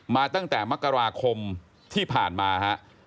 ตั้งแต่มกราคมที่ผ่านมาฮะ